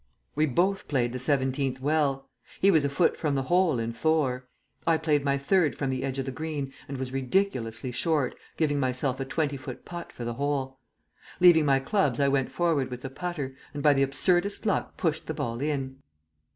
We both played the seventeenth well. He was a foot from the hole in four. I played my third from the edge of the green, and was ridiculously short, giving myself a twenty foot putt for the hole. Leaving my clubs I went forward with the putter, and by the absurdest luck pushed the ball in.